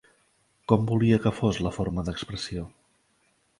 Com volia que fos la forma d'expressió?